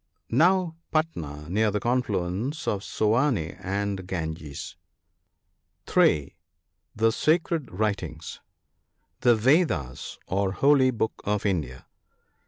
— Now Patna, near the confluence of the Soane and Ganges. <3 ) The sacred writings. — The Vedas, or holy book of India.